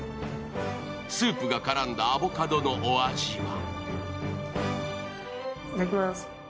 スープが絡んだアボカドのお味は？